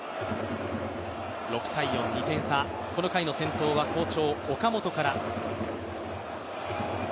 ６−４、２点差、この回の先頭は好調、岡本から。